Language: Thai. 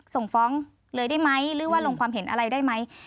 ส่งฟ้องเลยได้ไหมหรือว่าลงความเห็นอะไรได้ไหม